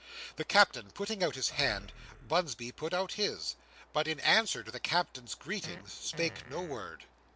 The Captain putting out his hand, Bunsby put out his; but, in answer to the Captain's greeting, spake no word.